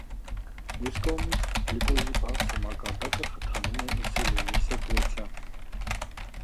Մյուս կողմից, գլյուկոզի բարձր մակարդակը խթանում է ինսուլինի սեկրեցիան։